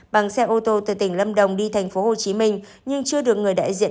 bằng xe ô tô từ tỉnh lâm đồng đi tp hcm nhưng chưa được người đại diện